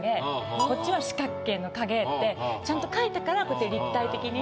こっちは四角形の影ってちゃんと描いたからこうやって立体的に。